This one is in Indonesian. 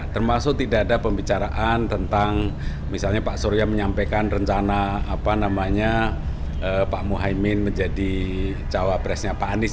termasuk tidak ada pembicaraan tentang misalnya pak surya menyampaikan rencana pak muhaymin menjadi cawapresnya pak anies